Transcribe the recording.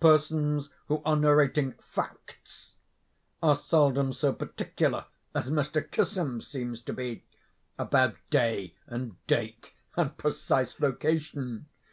Persons who are narrating facts, are seldom so particular as Mr. Kissam seems to be, about day and date and precise location.